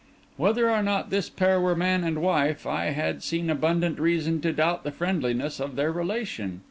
Whether or not this pair were man and wife, I had seen abundant reason to doubt the friendliness of their relation.